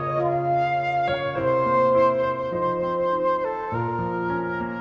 saya akan memberitahu kamu